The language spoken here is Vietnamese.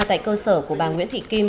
tại cơ sở của bà nguyễn thị kim